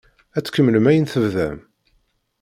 Ad tkemmlem ayen tebdam?